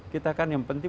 kita kan yang penting